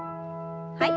はい。